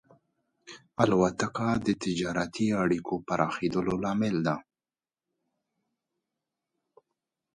الوتکه د تجارتي اړیکو پراخېدلو لامل ده.